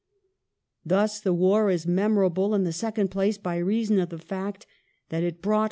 Thus the war is memor able, in the second place, by reason of the fact that " it brought